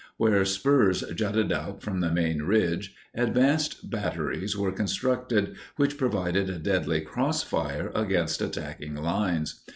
Where spurs jutted out from the main ridge, advanced batteries were constructed which provided a deadly crossfire against attacking lines.